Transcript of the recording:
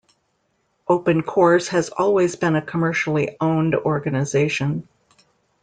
OpenCores has always been a commercially owned organization.